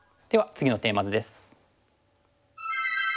次のテーマ図です。